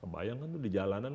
bayangkan tuh di jalanan